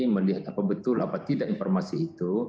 melihat apa betul apa tidak informasi itu